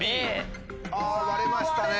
あ割れましたね。